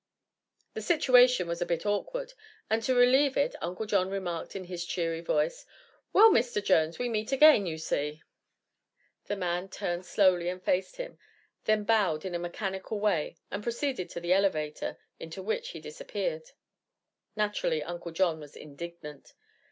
The situation was a bit awkward, and to relieve it Uncle John remarked in his cheery voice: "Well, Mr. Jones, we meet again, you see." The man turned slowly and faced him; then bowed in a mechanical way and proceeded to the elevator, into which he disappeared. Naturally Uncle John was indignant.